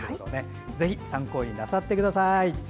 ぜひ参考になさってください。